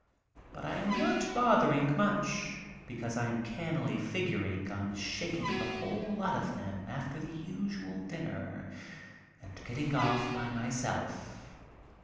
But I am not bothering much, because I am cannily figuring on shaking the whole lot of them after the usual dinner and getting off by myself.